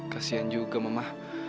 kasian juga mama